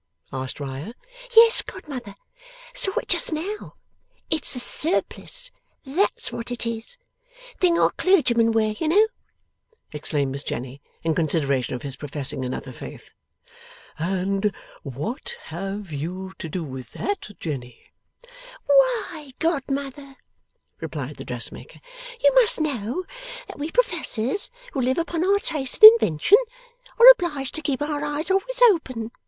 asked Riah. 'Yes, godmother. Saw it just now. It's a surplice, that's what it is. Thing our clergymen wear, you know,' explained Miss Jenny, in consideration of his professing another faith. 'And what have you to do with that, Jenny?' 'Why, godmother,' replied the dressmaker, 'you must know that we Professors who live upon our taste and invention, are obliged to keep our eyes always open.